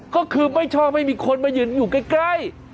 ก็คือไม่ชอบให้มีคนมายืนอยู่ใกล้